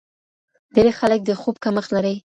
ډېری خلک د خوب کمښت لري.